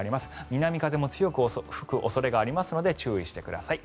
南風も強く吹く恐れがありますので注意してください。